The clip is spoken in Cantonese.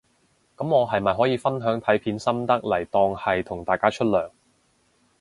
噉我係咪可以分享睇片心得嚟當係同大家出糧